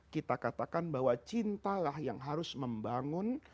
kita katakan bahwa cintalah yang harus membangun